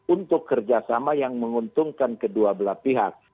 untuk kerjasama yang menguntungkan kedua belah pihak